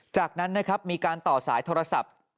จากนั้นมีการต่อสายโทรศัพท์